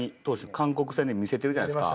韓国戦で見せてるじゃないですか。